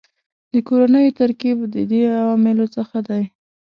د کورنیو ترکیب د دې عواملو څخه دی